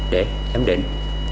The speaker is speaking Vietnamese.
để giám định